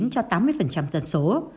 cho tám mươi dân số